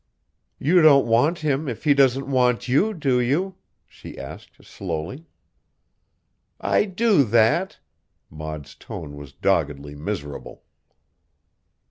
"You don't want him if he doesn't want you, do you?" she asked slowly. "I do that!" Maud's tone was doggedly miserable.